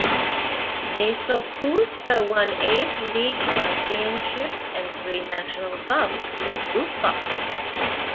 Masopust won eight league championships and three national cups with Dukla.